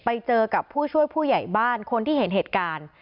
ไปเจอกับผู้ช่วยผู้ใหญ่บ้านคนที่เห็นเหตุการณ์